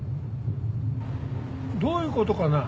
どういうことかな？